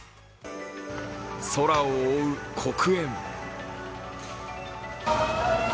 空を覆う黒煙。